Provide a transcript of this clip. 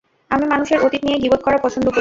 আমি মানুষের অতীত নিয়ে গীবত করা পছন্দ করিনা।